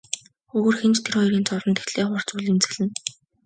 Өөр хэн ч тэр хоёрын зовлонд тэгтлээ хурц үл эмзэглэнэ.